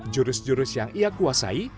jurus jurus yang ia kuasai